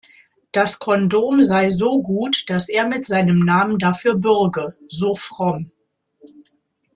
Das Kondom sei so gut, dass er mit seinem Namen dafür bürge, so Fromm.